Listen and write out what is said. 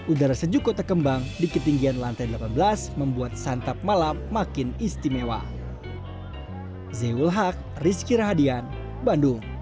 udara sejuk kota kembang di ketinggian lantai delapan belas membuat santap malam makin istimewa